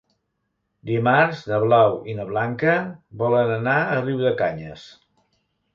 Dimarts na Blau i na Blanca volen anar a Riudecanyes.